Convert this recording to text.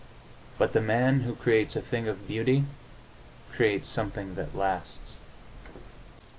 But the man who creates a thing of beauty creates something that lasts.